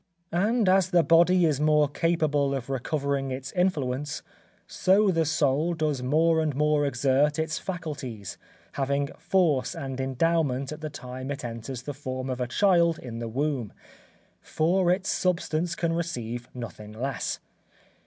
And as the body is more capable of recovering its influence, so the soul does more and more exert its faculties, having force and endowment at the time it enters the form of a child in the womb; for its substance can receive nothing less.